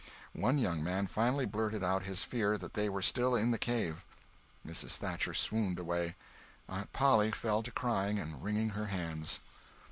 One young man finally blurted out his fear that they were still in the cave! Mrs. Thatcher swooned away. Aunt Polly fell to crying and wringing her hands.